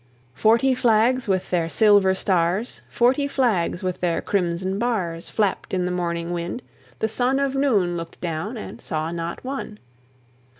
Forty flags with their silver stars, Forty flags with their crimson bars, Flapped in the morning wind: the sun Of noon looked down, and saw not one.